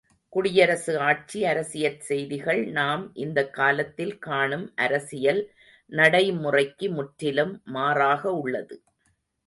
குடியரசு ஆட்சி அரசியற் செய்திகள் நாம் இந்தக் காலத்தில் காணும் அரசியல் நடைமுறைக்கு முற்றிலும் மாறாக உள்ளது.